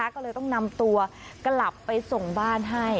ก็เลยต้องนำตัวกลับไปส่งบ้านให้